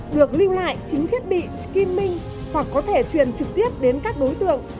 được lưu lại chính thiết bị skimming hoặc có thẻ truyền trực tiếp đến các đối tượng